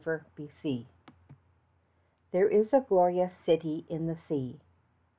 VENICE There is a glorious City in the sea.